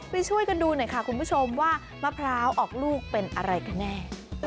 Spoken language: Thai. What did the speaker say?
ไปช่วยกันดูหน่อยค่ะคุณผู้ชมว่ามะพร้าวออกลูกเป็นอะไรกันแน่